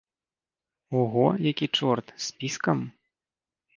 Ого, які чорт, з піскам!